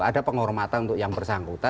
ada penghormatan untuk yang bersangkutan